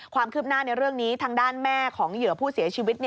ความคืบหน้าในเรื่องนี้ทางด้านแม่ของเหยื่อผู้เสียชีวิต